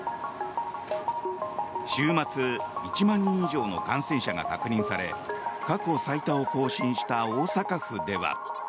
週末、１万人以上の感染者が確認され過去最多を更新した大阪府では。